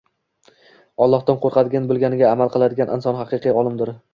Allohdan qo‘rqadigan, bilganiga amal qiladigan inson haqiqiy olimdir.